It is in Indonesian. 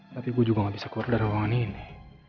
tapi ibu juga gak bisa keluar dari ruangan ini